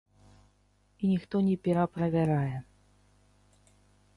І ніхто не пераправярае.